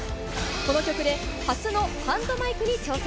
この曲で初のハンドマイクに挑戦。